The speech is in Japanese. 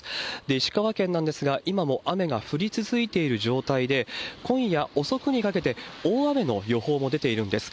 石川県なんですが、今も雨が降り続いている状態で、今夜遅くにかけて、大雨の予報も出ているんです。